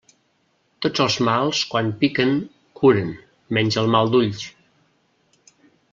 Tots els mals quan piquen curen, menys el mal d'ulls.